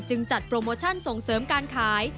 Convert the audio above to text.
จัดโปรโมชั่นส่งเสริมการขาย